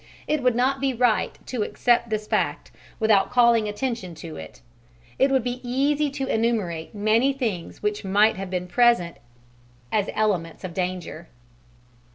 It would not be right to accept this fact without calling attention to it: it would be easy to enumerate many things which might have been present as elements of danger.